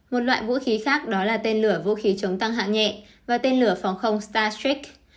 một loại vũ khí khác đó là tên lửa vũ khí chống tăng hạng nhẹ và tên lửa phòng không startrack